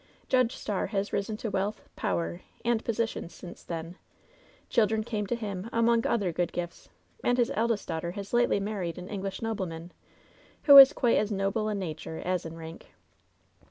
Judge Starr has risen to wealth, power and position since then; chil LOVERS BITTEREST CUP ISl dren came to him among other good gifts, and his eldest daughter has lately married an English nobleman, who is quite as noble 'in nature as in rank.'